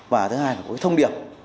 và thứ hai là có cái thông điệp